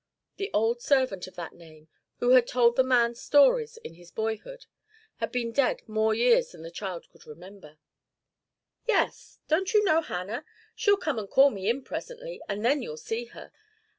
The old servant of that name, who had told the man stories in his boyhood, had been dead more years than the child could number. 'Yes, don't you know Hannah? She'll come and call me in presently, and then you'll see her.